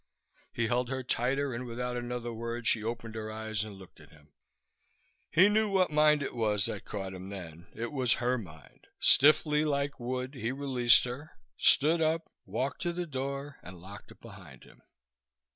He held her tighter and without another word she opened her eyes and looked at him. He knew what mind it was that caught him then. It was her mind. Stiffly, like wood, he released her, stood up, walked to the door and locked it behind him.